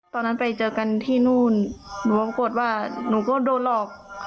ตอนนั้นไปเจอกันที่นู่นหนูบอกว่าหนูก็โดนหลอก